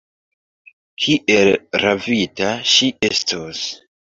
Kiel ravita ŝi estos!